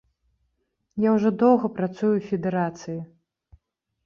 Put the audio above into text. Я ўжо доўга працую ў федэрацыі.